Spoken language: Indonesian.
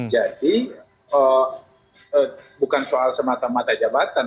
jadi bukan soal semata mata jabatan